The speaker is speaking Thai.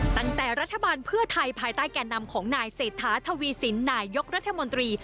ตั้งแต่รัฐบาลเพื่อไทยภายใต้แก่นำของนายเศรษฐาทวีสินนายกรัฐมนตรี